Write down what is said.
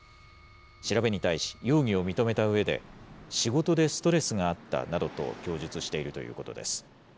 調べに対し容疑を認めたうえで、仕事でストレスがあったなどと供述しているということです。